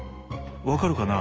分かるかな。